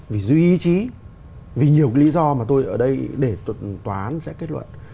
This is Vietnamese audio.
vì dư ý chí vì nhiều cái lý do mà tôi ở đây để toán giải kết luận